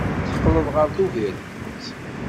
I teqqleḍ ɣer Tubiret?